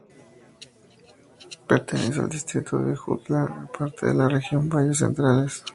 Pertenece al distrito de Ejutla, parte de la región valles centrales.